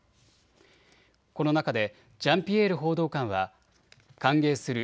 この中でジャンピエール報道官は歓迎する。